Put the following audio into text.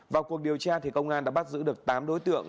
vào cuộc điều tra công an đã bắt giữ được tám đối tượng